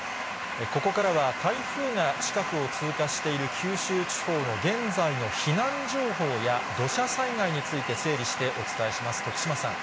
ここからは台風が近くを通過している九州地方の現在の避難情報や土砂災害について整理してお伝えします。